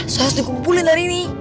seharusnya gue pulih dari ini